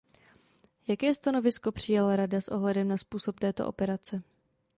Jaké stanovisko přijala Rada s ohledem na způsob této operace?